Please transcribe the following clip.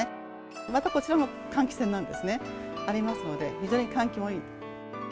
またこちらも換気扇なんですね、ありますので、非常に換気もいい。